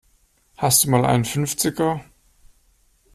Hast du mal einen Fünfziger?